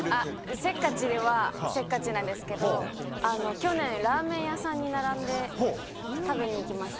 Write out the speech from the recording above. せっかちでは、せっかちなんですけど、去年、ラーメン屋さんに並んで食べに行きました。